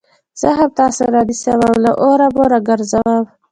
زه هم تاسي رانيسم او له اوره مو راگرځوم